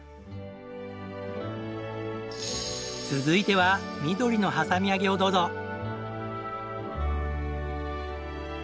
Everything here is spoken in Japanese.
続いては緑のはさみ揚げをどうぞ。